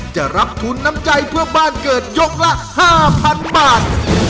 จะรับทุนน้ำใจเพื่อบ้านเกิดยกละ๕๐๐๐บาท